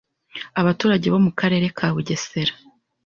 abaturage bo mu karare ka Bugesera.